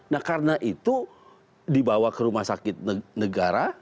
nah karena itu dibawa ke rumah sakit negara